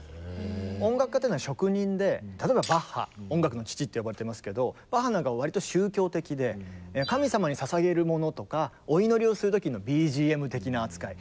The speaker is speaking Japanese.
音楽家っていうのは職人で例えばバッハ「音楽の父」って呼ばれてますけどバッハなんかは割と宗教的で神様にささげるものとかお祈りをする時のＢＧＭ的な扱い。